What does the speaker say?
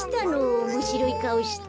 おもしろいかおして。